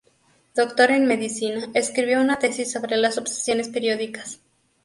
Doctor en medicina, escribió una tesis sobre las obsesiones periódicas.